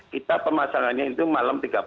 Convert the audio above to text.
kita pemasangannya itu malam tiga puluh